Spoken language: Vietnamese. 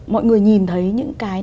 mọi người nhìn thấy những cái